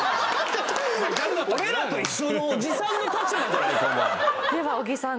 俺らと一緒のおじさんの立場じゃないかお前では小木さん